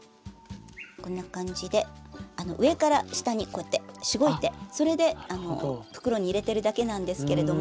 こんな感じで上から下にこうやってしごいてそれで袋に入れてるだけなんですけれども。